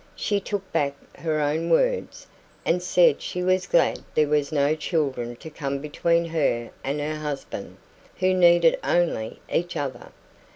She took back her own words, and said she was glad there were no children to come between her and her husband, who needed only each other.